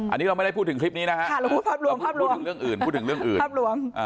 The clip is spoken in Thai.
อันนี้เราไม่ได้พูดถึงคลิปนี้นะฮะพูดถึงเรื่องอื่นพูดถึงเรื่องอื่นภาพรวม